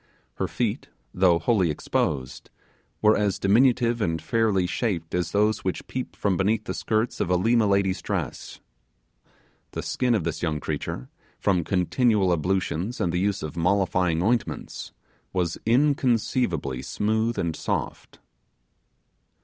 Her feet, though wholly exposed, were as diminutive and fairly shaped as those which peep from beneath the skirts of a Lima lady's dress. The skin of this young creature, from continual ablutions and the use of mollifying ointments, was inconceivably smooth and soft.